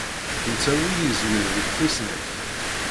Netta ur yeẓwir deg tusnakt.